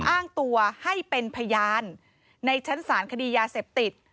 อ้างตัวให้เป็นพยานในชั้นศาลคดียาเสพติด